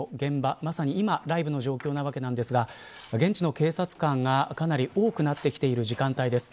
まさに今ライブの状況なんですが現地の警察官がかなり多くなってきている時間帯です。